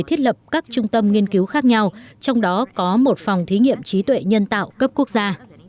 thiết lập các trung tâm nghiên cứu khác nhau trong đó có một phòng thí nghiệm trí tuệ nhân tạo cấp quốc gia